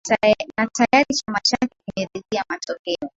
na tayari chama chake kimeridhia matokeo